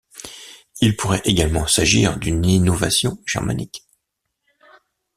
Il pourrait également s’agir d’une innovation germanique.